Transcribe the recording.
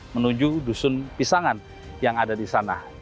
menuju dusun pisangan yang ada di sana